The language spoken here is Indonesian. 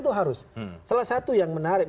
itu harus salah satu yang menarik